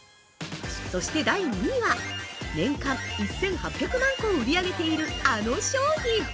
そして、第２位は、年間１８００万個を売り上げている、あの商品。